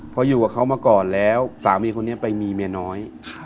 พออยู่กับเขามาก่อนแล้วสามีคนนี้ไปมีเมียน้อย